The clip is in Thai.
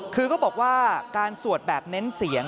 คือเขาบอกว่าการสวดแบบเน้นเสียง